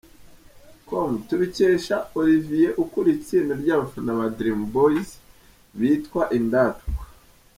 com tubikesha Olivier ukuriye itsinda ry’abafana ba Dream Boys bitwa Indatwa.